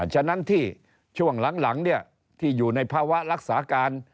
ฉะนั้นที่ช่วงหลังที่อยู่ในภาวะรักษาการ